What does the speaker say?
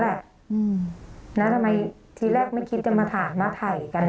แล้วทำไมทีแรกไม่คิดจะมาถามมาถ่ายกัน